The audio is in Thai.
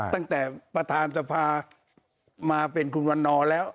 ตั้งแต่ประธานสภามาเป็นคุณวันนอร์แล้ว